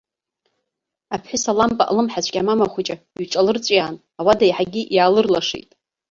Аԥҳәыс, алампа алымҳацә кьамама хәыҷы ҩҿалырҵәиаан, ауада иаҳагьы иаалырлашеит.